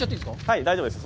はい、大丈夫です。